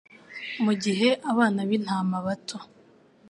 Mugihe abana b'intama bato